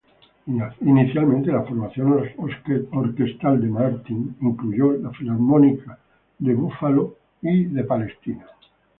Inicialmente, la formación orquestal de Martin incluyó la Filarmónica de Buffalo y de Israel.